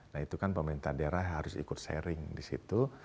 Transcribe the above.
nah itu kan pemerintah daerah harus ikut sharing di situ